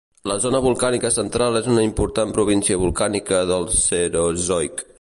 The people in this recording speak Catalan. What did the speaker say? La zona volcànica central és una important província volcànica del cenozoic.